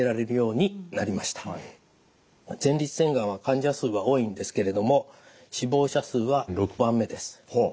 前立腺がんは患者数は多いんですけれども死亡者数は６番目です。